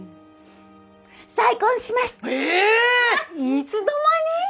いつの間に？